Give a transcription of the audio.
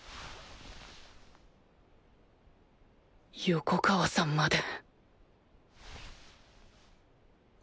横川さんまで